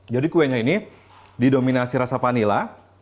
jadi kuenya ini didominasi rasa vanila